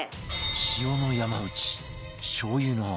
塩の山内しょうゆの安部